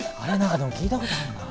でも聞いたことあるな。